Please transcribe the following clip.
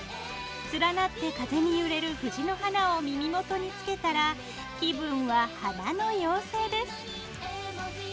連なって風に揺れる藤の花を耳元につけたら気分は花の妖精です！